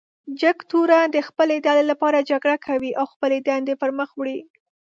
جګتورن د خپلې ډلې لپاره جګړه کوي او خپلې دندې پر مخ وړي.